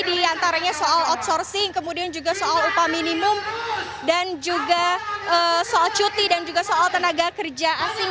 di antaranya soal outsourcing kemudian juga soal upah minimum dan juga soal cuti dan juga soal tenaga kerja asing